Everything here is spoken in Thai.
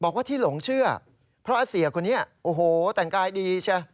บอกว่าที่หลงเชื่อเพราะอาเสียคนนี้โอ้โหแต่งกายดีเชีย